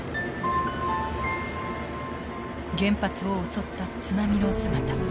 原発を襲った津波の姿。